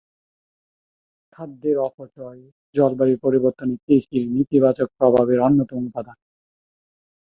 খাদ্যের অপচয় জলবায়ু পরিবর্তনে কৃষির নেতিবাচক প্রভাবের অন্যতম উপাদান।